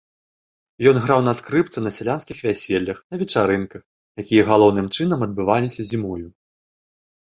Ён граў на скрыпцы на сялянскіх вяселлях, на вечарынках, якія галоўным чынам адбываліся зімою.